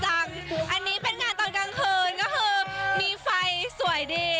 อันนี้เป็นงานตอนกลางคืนก็คือมีไฟสวยดี